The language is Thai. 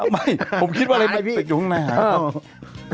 ไม่ผมคิดว่าอะไรบ้างพี่